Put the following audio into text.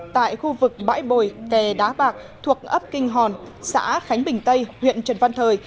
tại khu vực bãi bồi kè đá bạc thuộc ấp kinh hòn xã khánh bình tây huyện trần văn thời